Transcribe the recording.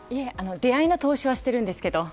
出会いの投資はしているんですけど。